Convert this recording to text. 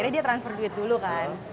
dia transfer duit dulu kan